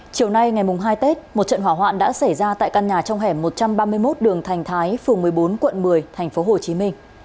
chiều nay ngày hai tết một trận hỏa hoạn đã xảy ra tại căn nhà trong hẻm một trăm ba mươi một đường thành thái phường một mươi bốn quận một mươi tp hcm